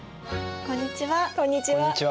こんにちは。